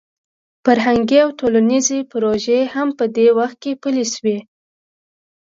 فرهنګي او ټولنیزې پروژې هم په دې وخت کې پلې شوې.